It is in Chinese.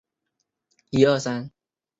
尚帕涅勒塞克人口变化图示